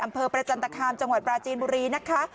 ประจันตคามจังหวัดปราจีนบุรีนะคะ